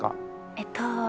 えっと。